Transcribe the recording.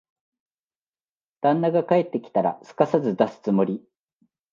旦那が帰ってきたら、すかさず出すつもり。